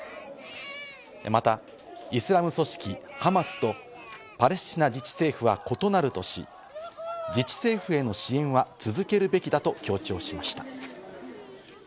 またイスラム組織＝ハマスとパレスチナ自治政府は異なるとし、自治政府への支援は続けるべきだと強調しました。